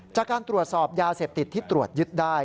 จากการตรวจสอบยาเสพติดที่ตรวจยึดได้